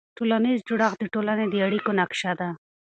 ټولنیز جوړښت د ټولنې د اړیکو نقشه ده.